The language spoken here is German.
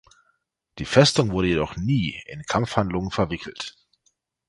Die Festung wurde jedoch nie in Kampfhandlungen verwickelt.